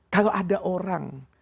kalau ada orang